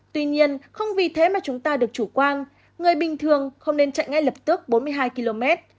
tuy nhiên không vì thế mà chúng ta được chủ quan người bình thường không nên chạy ngay lập tức bốn mươi hai km